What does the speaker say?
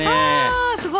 あすごい！